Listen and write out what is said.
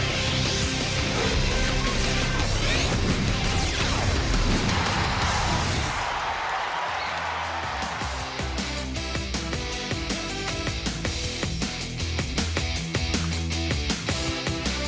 สวัสดีครับเปิดทุกวุมมอง